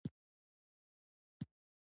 دلته هیڅوک جګړه نه غواړي